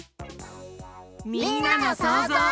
みんなのそうぞう。